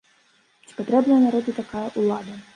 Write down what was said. Ці патрэбная народу такая ўлада?